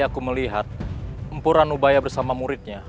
akulah itu suapnya